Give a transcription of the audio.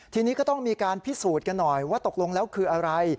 ทีนี้ก็ต้องมีการพิสูจน์กันหน่อยว่าตกลงแล้วคืออะไร